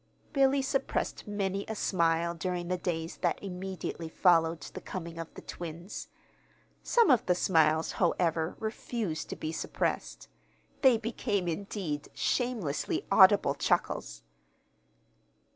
Billy suppressed many a smile during the days that immediately followed the coming of the twins. Some of the smiles, however, refused to be suppressed. They became, indeed, shamelessly audible chuckles.